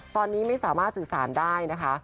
ตอนนี้ไม่สามารถสื่อสารได้นะคะ